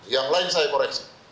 yang lain saya koreksi